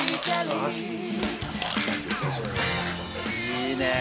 いいね！